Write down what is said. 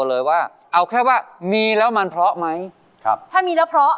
แล้วแฟนชะกินเฮ้ยมองจันดิ